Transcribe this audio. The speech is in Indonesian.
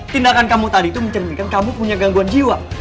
tindakan kamu tadi itu mencerminkan kamu punya gangguan jiwa